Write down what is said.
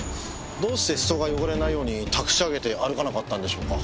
どうして裾が汚れないようにたくし上げて歩かなかったんでしょうか？